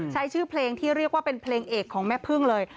ใช้ชื่อเพลงที่เรียกว่าเป็นเพลงเอกของแม่พึ่งเลย